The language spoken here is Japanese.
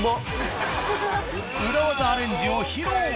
裏技アレンジを披露。